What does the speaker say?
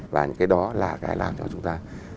và những cái đó là cái làm cho chúng ta